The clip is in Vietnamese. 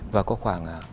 và có khoảng